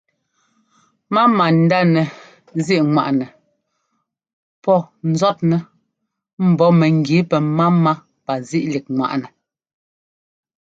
Máma ndá nɛzíꞌŋwaꞌnɛ pɔ́ ńzɔ́tnɛ mbɔ̌ mɛgí pɛ́máma pazíꞌlíkŋwaꞌnɛ.